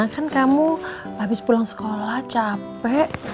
kan kamu habis pulang sekolah capek